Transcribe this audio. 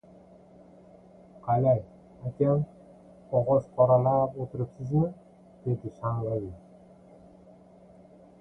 — Qalay, akam, qog’oz qoralab o‘tiribsizmi! — dedi shang‘il- lab.